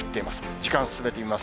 時間進めてみます。